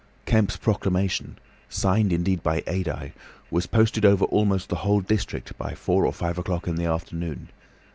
Kemp's proclamation—signed indeed by Adye—was posted over almost the whole district by four or five o'clock in the afternoon.